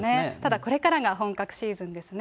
ただこれからが本格シーズンですね。